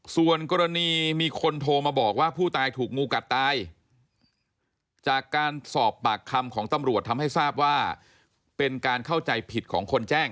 ส่วนกรณีมีคนโทรมาบอกว่าผู้ตายถูกงูกัดตายจากการสอบปากคำของตำรวจทำให้ทราบว่าเป็นการเข้าใจผิดของคนแจ้ง